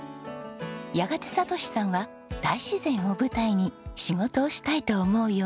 やがて哲さんは大自然を舞台に仕事をしたいと思うように。